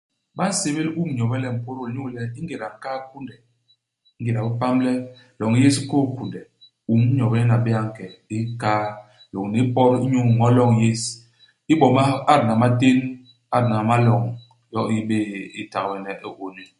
Ba nsébél Um Nyobe le Mpôdôl inyu le ingéda nkaa u kunde, ingéda i bapam le loñ yés i kôs kunde, Um Nyobe nyen a bé'é a nke i kaa lôñni i pôt inyu ño u loñ yés, i boma i adna i matén, i adna i maloñ, yo i i bé'é i ntagbene i ONU.